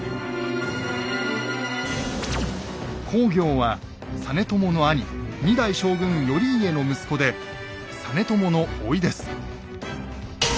公暁は実朝の兄２代将軍頼家の息子で実朝のおいです。